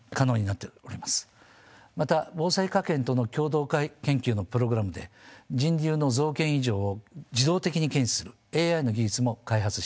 また防災科研との共同研究のプログラムで人流の増減異常を自動的に検知するＡＩの技術も開発しております。